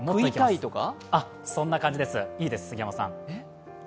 そんな感じです、いいです、杉山さん。